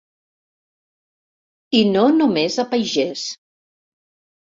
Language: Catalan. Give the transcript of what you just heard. I no només a pagès.